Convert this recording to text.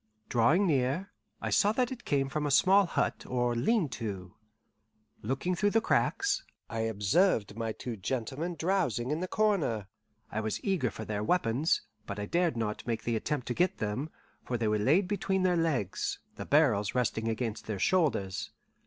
Drawing near, I saw that it came from a small hut or lean to. Looking through the cracks, I observed my two gentlemen drowsing in the corner. I was eager for their weapons, but I dared not make the attempt to get them, for they were laid between their legs, the barrels resting against their shoulders.